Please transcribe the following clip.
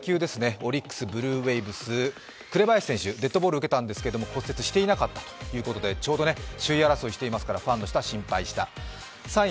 オリックスブレーブス紅林選手、デッドボールを受けたんですけど、骨折していなかったということで、ちょうど首位争いをしていますからファンの人は心配した。